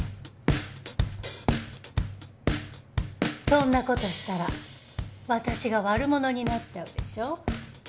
そんな事したら私が悪者になっちゃうでしょ。